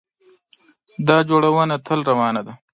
دا جوړونه تل روانه ده.